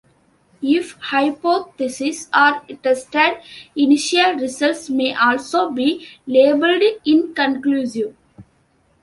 If hypotheses are tested, initial results may also be labeled inconclusive.